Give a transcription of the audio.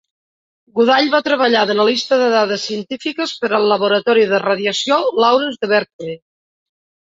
Goodall va treballar d'analista de dades científiques per al laboratori de radiació Lawrence de Berkeley.